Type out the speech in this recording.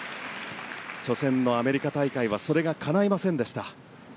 初戦のアメリカ大会はそれがかないませんでした。